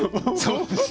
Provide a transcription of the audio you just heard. そうですね。